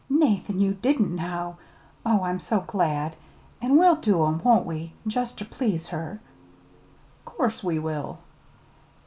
"Nathan, you didn't, now! Oh, I'm so glad! An' we'll do 'em, won't we? jest ter please her?" "'Course we will!"